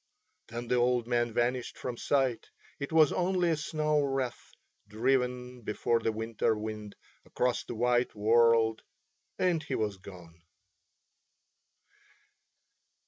Then the old man vanished from sight; it was only a snow wreath driven before the winter wind across the white world and he was gone.